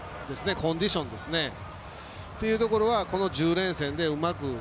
コンディションというところはこの１０連戦でうまく。